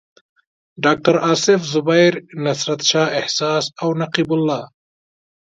ډاکټر اصف زبیر، نصرت شاه احساس او نقیب الله.